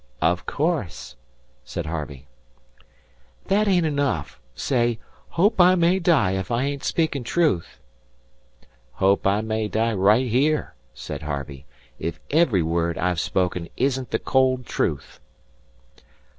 "Of course," said Harvey. "The ain't 'niff. Say, 'Hope I may die if I ain't speaking' truth.'" "Hope I may die right here," said Harvey, "if every word I've spoken isn't the cold truth."